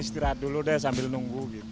aistirahat dulu deh sambil menunggu